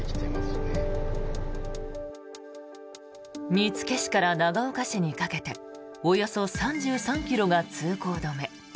見附市から長岡市にかけておよそ３３ｋｍが通行止め。